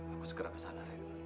aku segera kesana re